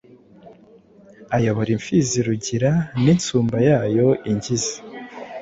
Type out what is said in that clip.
ayobora imfizi Rugira n'insumba yayo Ingizi.